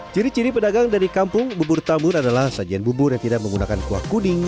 ciri ciri pedagang dari kampung bubur tambun adalah sajian bubur yang tidak menggunakan kuah kuning